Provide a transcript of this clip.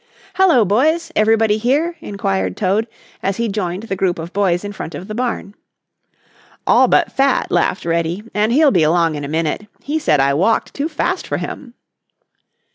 "Hello, boys! Everybody here?" inquired Toad as he joined the group of boys in front of the barn. "All but Fat," laughed Reddy, "and he'll be along in a minute. He said I walked too fast for him."